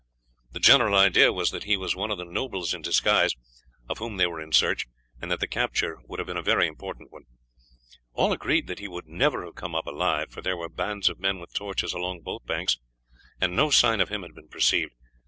The general idea was that he was one of the nobles in disguise, of whom they were in search, and that the capture would have been a very important one. "All agreed that he could never have come up alive, for there were bands of men with torches along both banks, and no sign of him had been perceived.